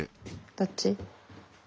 どっち？